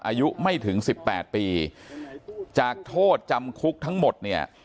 อายุไม่ถึงสิบแปดปีจากโทษจำคุกทั้งหมดเนี่ย